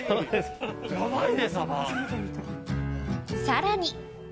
さらに。